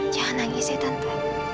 jangan nangis ya tante